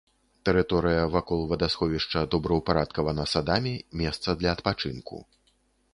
Тэрыторыя вакол вадасховішча добраўпарадкавана садамі, месца для адпачынку.